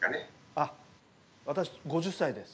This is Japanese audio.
あっ私５０歳です。